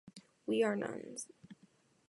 We are nuns.